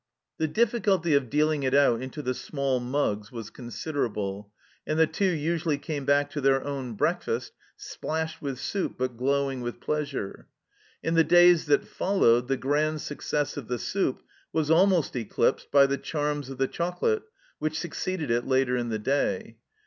The difficulty of dealing it out into the small mugs was considerable, and the Two usually came back to their own breakfast splashed with soup but glowing with pleasure. In the days that followed, the grand success of the soup was almost eclipsed by the charms of the chocolate which succeeded it later in the day.